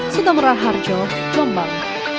sudah merah harjo jombang